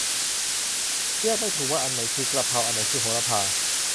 แยกไม่ถูกว่าอันไหนคือ กะเพรา อันไหนคือ โหระพา